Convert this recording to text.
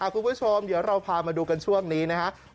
คุณผู้ชมเดี๋ยวเราพามาดูกันช่วงนี้นะครับ